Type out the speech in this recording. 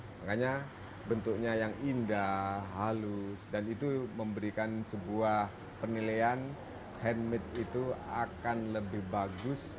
makanya bentuknya yang indah halus dan itu memberikan sebuah penilaian handmade itu akan lebih bagus